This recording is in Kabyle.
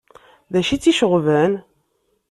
D acu i tt-iceɣben?